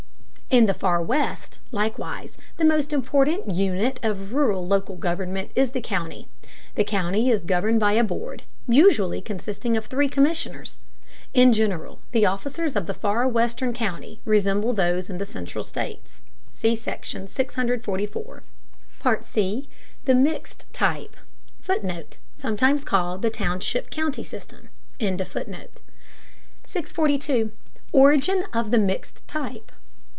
In the Far West, likewise, the most important unit of rural local government is the county. The county is governed by a board, usually consisting of three commissioners. In general the officers of the Far Western county resemble those in the central states. (See Section 644.) C. THE MIXED TYPE [Footnote: Sometimes called the township county system.] 642. ORIGIN OF THE MIXED TYPE.